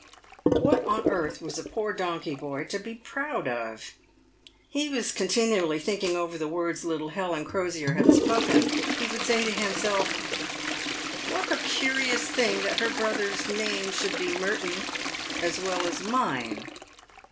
"What on earth was a poor donkey boy to be proud of? He was continually thinking over the words little Helen Crosier had spoken. He would say to himself, "What a curious thing that her brother's name should be Merton as well as mine